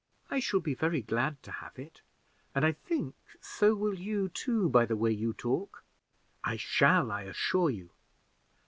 "I shall be very glad to have it, and I think so will you too, by the way you talk." "I shall, I assure you.